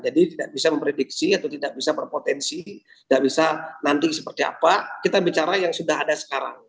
jadi tidak bisa memprediksi atau tidak bisa berpotensi tidak bisa nanti seperti apa kita bicara yang sudah ada sekarang